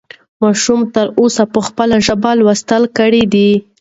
ماشوم تر اوسه په خپله ژبه لوستل کړي دي.